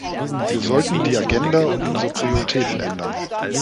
Wir sollten die Agenda und unsere Prioritäten ändern.